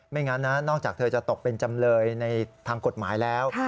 งั้นนะนอกจากเธอจะตกเป็นจำเลยในทางกฎหมายแล้ว